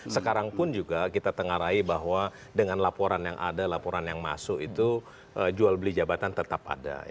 sekarang pun juga kita tengah rai bahwa dengan laporan yang ada laporan yang masuk itu jual beli jabatan tetap ada